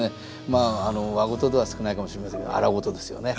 まあ和事では少ないかもしれませんけど荒事ですよね。